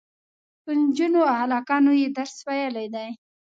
په نجونو او هلکانو یې درس ویلی دی.